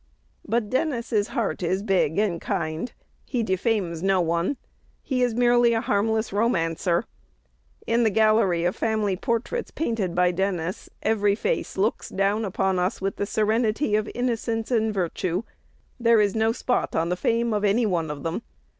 But Dennis's heart is big and kind: he defames no one; he is merely a harmless romancer. In the gallery of family portraits painted by Dennis, every face looks down upon us with the serenity of innocence and virtue. There is no spot on the fame of any one of them.